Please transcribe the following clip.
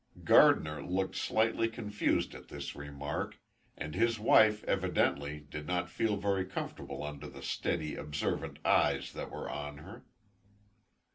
Gardiner looked slightly confused at this remark, and his wife, evidently, did not feel very comfortable under the steady, observant eyes that were on her.